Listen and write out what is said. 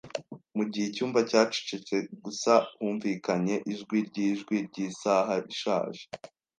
Mugihe icyumba cyacecetse, gusa humvikanye ijwi ryijwi ryisaha ishaje.